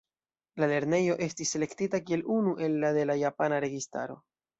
La lernejo estis selektita kiel unu el la de la japana registaro.